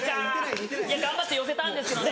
頑張って寄せたんですけどね。